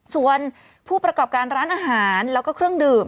ส่วนผู้ประกอบการร้านอาหารแล้วก็เครื่องดื่ม